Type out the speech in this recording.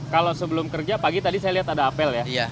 kalau sebelum kerja pagi tadi saya lihat ada apel ya